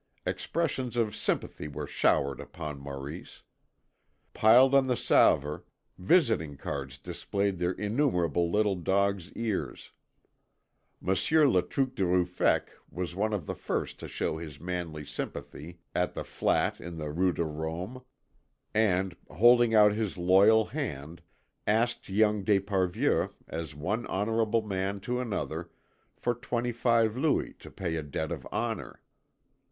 Expressions of sympathy were showered upon Maurice. Piled on the salver, visiting cards displayed their innumerable little dogs' ears. Monsieur Le Truc de Ruffec was one of the first to show his manly sympathy at the flat in the Rue de Rome, and, holding out his loyal hand, asked young d'Esparvieu as one honourable man to another for twenty five louis to pay a debt of honour.